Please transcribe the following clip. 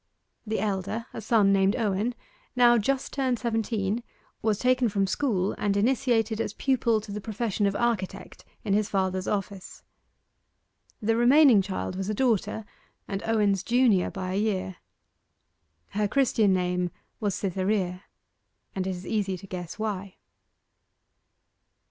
The elder, a son named Owen, now just turned seventeen, was taken from school, and initiated as pupil to the profession of architect in his father's office. The remaining child was a daughter, and Owen's junior by a year. Her christian name was Cytherea, and it is easy to guess why.